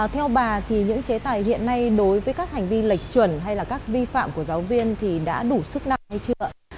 theo bà thì những chế tài hiện nay đối với các hành vi lệch chuẩn hay là các vi phạm của giáo viên thì đã đủ sức năng hay chưa ạ